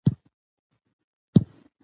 پسرلی د افغانستان د جغرافیې بېلګه ده.